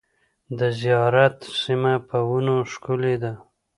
د زیارت سیمه په ونو ښکلې ده .